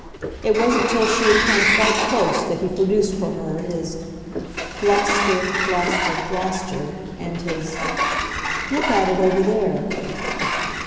It wasn't till she had come quite close that he produced for her his "Gloucester, Gloucester, Gloucester," and his "Look at it over there!"